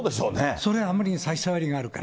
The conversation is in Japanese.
それはあまりに差しさわりがあるから。